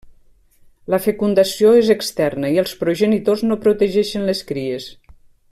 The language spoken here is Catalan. La fecundació és externa i els progenitors no protegeixen les cries.